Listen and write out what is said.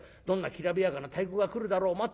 どんなきらびやかな太鼓が来るだろう。